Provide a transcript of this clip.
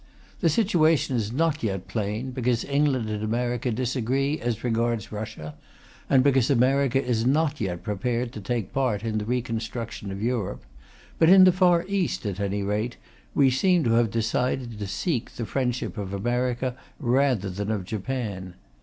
The situation is not yet plain, because England and America disagree as regards Russia, and because America is not yet prepared to take part in the reconstruction of Europe; but in the Far East, at any rate, we seem to have decided to seek the friendship of America rather than of Japan.